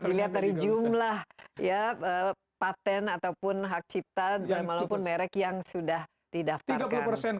dilihat dari jumlah patent ataupun hak cipta maupun merek yang sudah didaftarkan